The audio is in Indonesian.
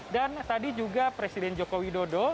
dan tadi juga presiden joko widodo